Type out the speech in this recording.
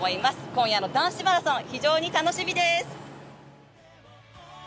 今夜の男子マラソン非常に楽しみです。